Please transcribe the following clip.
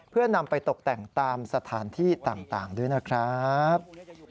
เพื่อนำไปตกแต่งตามสถานที่ต่างด้วยนะครับ